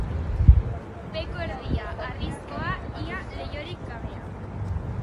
Beheko erdia, harrizkoa, ia leihorik gabea.